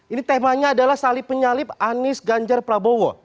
ini temanya adalah salib penyalip anies ganjar prabowo